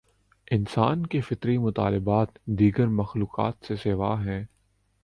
انسان کے فطری مطالبات، دیگر مخلوقات سے سوا ہیں۔